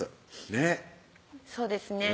ねっそうですね